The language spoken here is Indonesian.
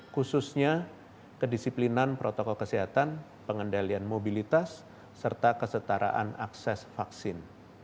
khususnya kedisiplinan protokol kesehatan pengendalian mobilitas serta kesetaraan akses vaksin